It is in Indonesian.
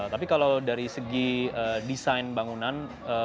tapi kalau dari segi desain bangunan